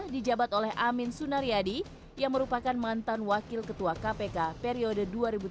dijabat oleh amin sunaryadi yang merupakan mantan wakil ketua kpk periode dua ribu tujuh belas dua ribu